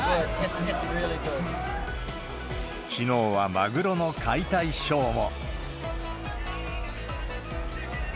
きのうはマグロの解体ショーも。